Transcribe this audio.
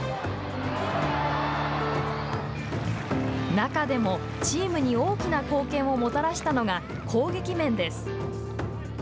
中でもチームに大きな貢献をもたらしたのが、攻撃面。